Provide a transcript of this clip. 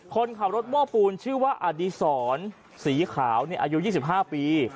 คนข่าวรถม่อปูนชื่อว่าอดีสรสีขาวเนี้ยอายุยี่สิบห้าปี